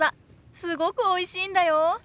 すごくおいしいんだよ。